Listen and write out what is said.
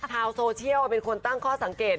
ชาวโซเชียลเป็นคนตั้งข้อสังเกต